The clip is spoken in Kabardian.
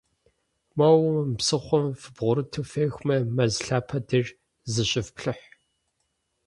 Моуэ мы псыхъуэм фыбгъурыту фехмэ, мэз лъапэм деж зыщыфплъыхь.